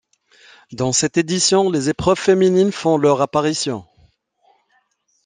Dans cette édition, les épreuves féminines font leur apparition.